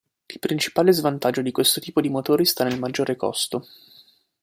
Il principale svantaggio di questo tipo di motori sta nel maggiore costo.